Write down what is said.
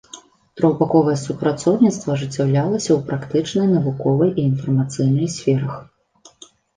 Трохбаковае супрацоўніцтва ажыццяўлялася у практычнай, навуковай і інфармацыйнай сферах.